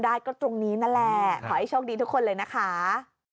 ได้ก็ตรงนี้นั่นแหละขอให้โชคดีทุกคนเลยนะคะ